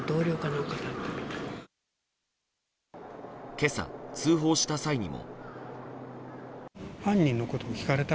今朝、通報した際にも。